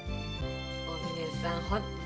お峰さん。